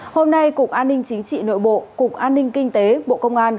hôm nay cục an ninh chính trị nội bộ cục an ninh kinh tế bộ công an